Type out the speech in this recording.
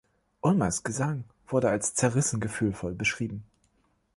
Ulmers Gesang wurde als „zerrissen gefühlvoll“ beschrieben.